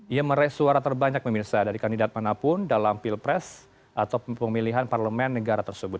ia meres suara terbanyak memirsa dari kandidat manapun dalam pilpres atau pemilihan parlemen negara tersebut